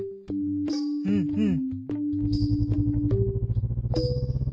うんうん。